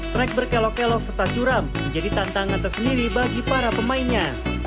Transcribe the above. track berkelok kelok serta curam menjadi tantangan tersendiri bagi para pemainnya